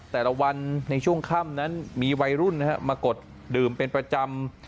แต่ละวันในช่วงค่ำนั้นมีวัยรุ่นมากดดื่มเป็นประจำ